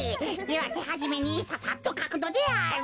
ではてはじめにささっとかくのである。